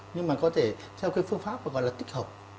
nhưng mà có thể theo cái phương pháp gọi là tích hợp